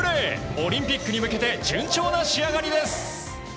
オリンピックに向けて順調な仕上がりです。